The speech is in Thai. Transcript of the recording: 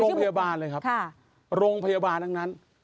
โรงพยาบาลเลยครับโรงพยาบาลทั้งนั้น